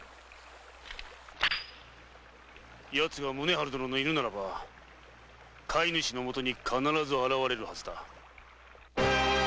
ヤツが宗春殿の犬ならば飼い主のもとに必ず現れるハズだ。